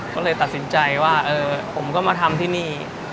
ก็เลยตัดสินใจว่าผมก็มาทำที่นี่